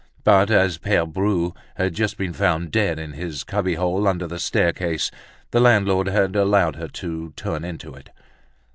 But, as Pere Bru had just been found dead in his cubbyhole under the staircase, the landlord had allowed her to turn into it.